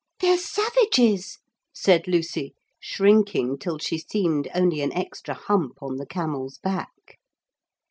'They're savages,' said Lucy, shrinking till she seemed only an extra hump on the camel's back.